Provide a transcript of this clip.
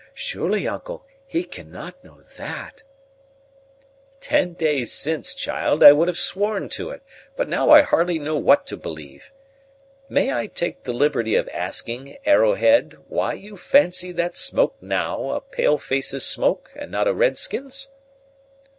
Surely, uncle, he cannot know that?" "Ten days since, child, I would have sworn to it; but now I hardly know what to believe. May I take the liberty of asking, Arrowhead, why you fancy that smoke, now, a pale face's smoke, and not a red skin's?"